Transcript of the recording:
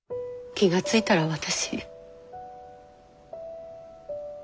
気が付いたら私。